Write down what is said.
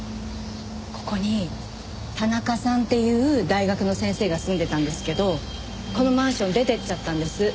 ここに田中さんっていう大学の先生が住んでたんですけどこのマンション出てっちゃったんです。